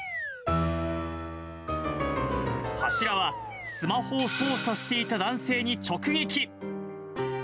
柱はスマホを操作していた男性に直撃。